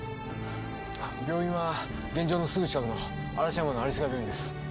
病院は現場のすぐ近くの嵐山の有栖川病院です。